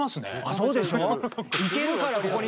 そうでしょ。